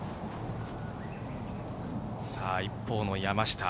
一方の山下。